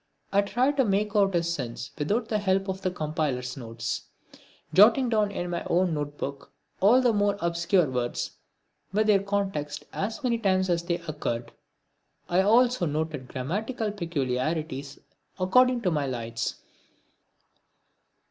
I tried to make out his sense without the help of the compiler's notes, jotting down in my own note book all the more obscure words with their context as many times as they occurred. I also noted grammatical peculiarities according to my lights.